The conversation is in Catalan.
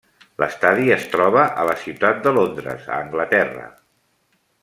L'estadi es troba a la ciutat de Londres a Anglaterra.